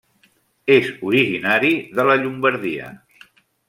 És originari de la Llombardia.